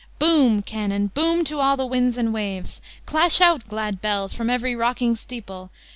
Boom, cannon, boom to all the winds and waves! Clash out, glad bells, from every rocking steeple!